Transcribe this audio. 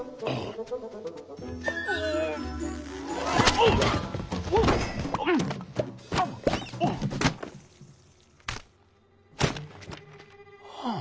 ああ！